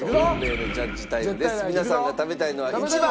皆さんが食べたいのは１番。